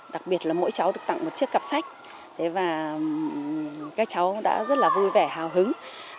đặc biệt là mỗi cháu được tặng một chiếc cặp sách và các cháu đã rất là vui vẻ hào hứng